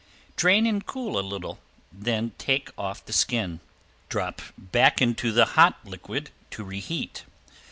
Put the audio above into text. Drain and cool a little, then take off the skin. Drop back into the hot liquid to reheat.